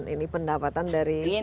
ini pendapatan dari